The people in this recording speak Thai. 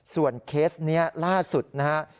ส่วนเคสนี้ล่าสุดนะฮะ